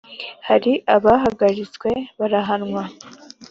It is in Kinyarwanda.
hari abahagaritswe barahanwa